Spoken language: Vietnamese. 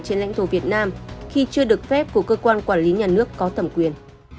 trên lãnh thổ việt nam khi chưa được phép của cơ quan quản lý nhà nước có thẩm quyền